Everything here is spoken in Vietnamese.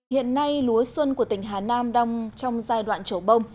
hiện nay lúa xuân của tỉnh hà nam đang trong giai đoạn trổ bông